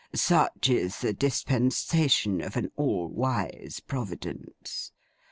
Such is the dispensation of an all wise Providence!